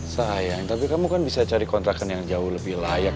sayang tapi kamu kan bisa cari kontrakan yang jauh lebih layak